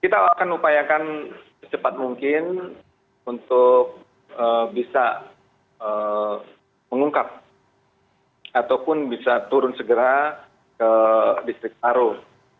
kita akan upayakan secepat mungkin untuk bisa mengungkap ataupun bisa turun segera ke distrik taruh